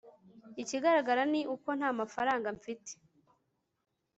ikigaragara ni uko nta mafaranga mfite